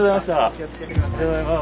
お気をつけてください。